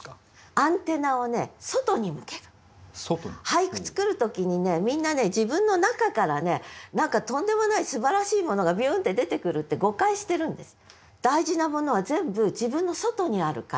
俳句作る時にみんな自分の中からね何かとんでもないすばらしいものがビュンって出てくるって誤解してるんです。